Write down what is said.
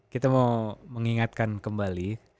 kita mau mengingatkan kembali